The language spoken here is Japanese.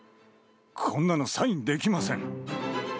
こんなのサインできません。